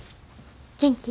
元気？